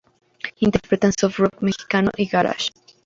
Interpretan Surf Rock mexicano y Garage.